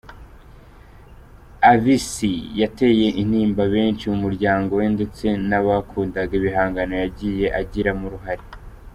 Avicii yateye intimba benshi mu muryango we ndetse n’abakundaga ibihangano yagiye agiramo uruhare.